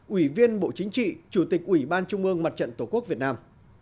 ủy viên bộ chính trị chủ tịch ủy ban trung ương mặt trận tổ quốc việt nam